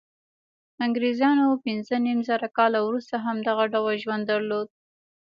انګرېزانو پنځه نیم زره کاله وروسته هم دغه ډول ژوند درلود.